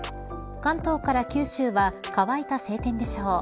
関東から九州は乾いた晴天でしょう。